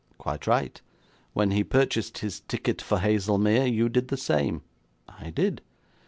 'Quite right.' 'When he purchased his ticket for Haslemere, you did the same.' 'I did.'